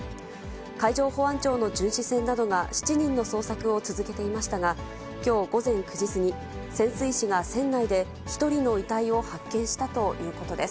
海上保安庁の巡視船などが７人の捜索を続けていましたが、きょう午前９時過ぎ、潜水士が船内で１人の遺体を発見したということです。